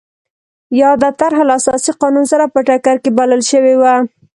یاده طرحه له اساسي قانون سره په ټکر کې بلل شوې وه.